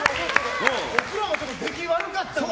僕らの出来が悪かったので。